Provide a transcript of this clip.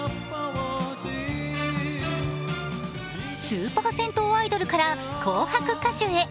スーパー銭湯アイドルから「紅白」歌手へ。